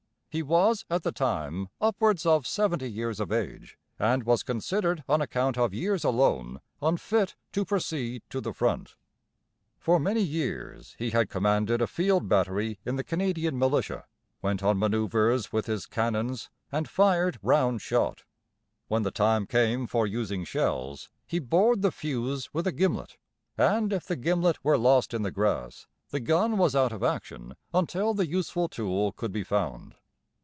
He was at the time upwards of seventy years of age, and was considered on account of years alone "unfit" to proceed to the front. For many years he had commanded a field battery in the Canadian militia, went on manoeuvres with his "cannons", and fired round shot. When the time came for using shells he bored the fuse with a gimlet; and if the gimlet were lost in the grass, the gun was out of action until the useful tool could be found.